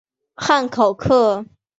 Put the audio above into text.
汉考克。